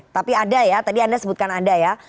tapi ada ya tadi anda sebutkan anda ya